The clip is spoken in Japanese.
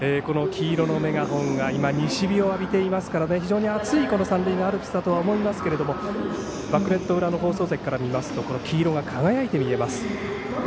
黄色のメガホンが西日を浴びていますから非常に暑い三塁側アルプスだとは思うんですけどバックネット裏の放送席から見ますと、この黄色が輝いて見えます。